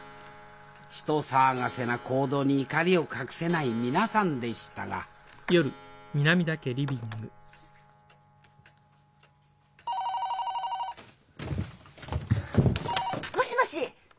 人騒がせな行動に怒りを隠せない皆さんでしたが☎もしもし！